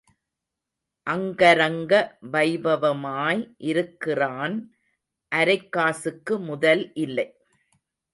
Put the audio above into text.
அங்கரங்க வைபவமாய் இருக்கிறான் அரைக்காசுக்கு முதல் இல்லை.